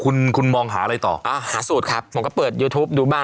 คุณคุณมองหาอะไรต่ออ่าหาสูตรครับผมก็เปิดยูทูปดูบ้าน